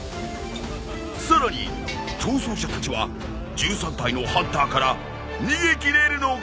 さらに逃走者たちは１３体のハンターから逃げ切れるのか！